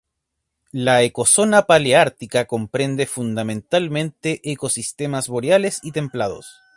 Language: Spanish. La ecozona paleártica comprende fundamentalmente ecosistemas boreales y templados.